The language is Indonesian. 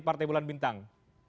partai bulan bintang